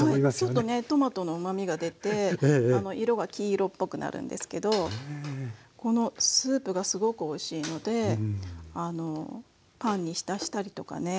ちょっとねトマトのうまみが出て色が黄色っぽくなるんですけどこのスープがすごくおいしいのでパンに浸したりとかね